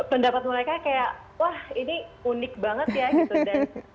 pendapat mereka kayak wah ini unik banget ya gitu